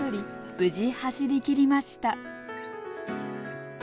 無事、走りきりました。